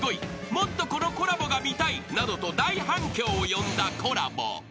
［「もっとこのコラボが見たい」などと大反響を呼んだコラボ］